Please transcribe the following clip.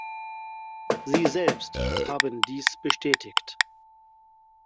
Sie selbst haben dies bestätigt.